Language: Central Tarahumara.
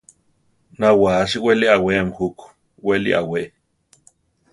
Na wáasi wéli aweami juku; weri awé.